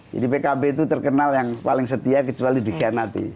jadi pkb itu terkenal yang paling setia kecuali dikhianati